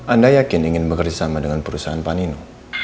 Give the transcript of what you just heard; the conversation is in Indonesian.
anda yakin ingin bekerja sama dengan perusahaan pak nino